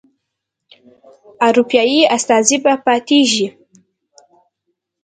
اروپایي استازی به پاتیږي.